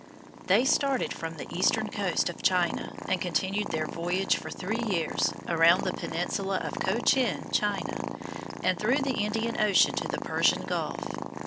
They started from the eastern coast of China, and continued their voyage for three years, around the peninsula of Cochin China, and through the Indian Ocean to the Persian Gulf.